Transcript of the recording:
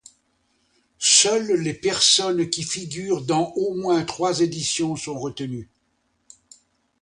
Seuls les personnes qui figurent dans au moins trois éditions sont retenus.